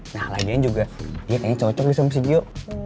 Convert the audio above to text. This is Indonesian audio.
nah laganya juga dia kayaknya cocok sih sama si gio